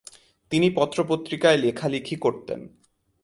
তিনি পত্র-পত্রিকায় লেখালিখি করতেন।